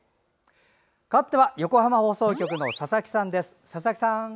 かわっては横浜放送局の佐々木さんです。